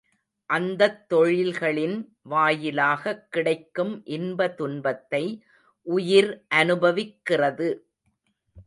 அந்தத் தொழில்களின் வாயிலாகக் கிடைக்கும் இன்ப துன்பத்தை உயிர் அநுபவிக்கிறது.